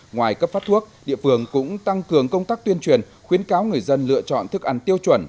ngoài cấp phát thuốc địa phương cũng tăng cường công tác tuyên truyền khuyến cáo người dân lựa chọn thức ăn tiêu chuẩn